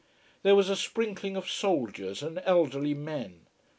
There was a sprinkling of soldiers and elderly men.